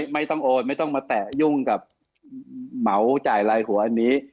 ไม่ต้องโอนไม่ต้องมาแตะยุ่งกับเหมาจ่ายลายหัวอันนี้